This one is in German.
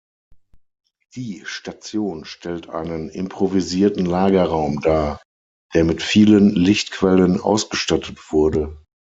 Die Station stellt einen improvisierten Lagerraum dar, der mit vielen Lichtquellen ausgestattet wurde.